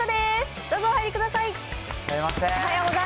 どうぞ、お入りください。